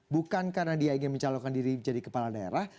bukan karena dia ingin mencalonkan diri jadi kepala daerah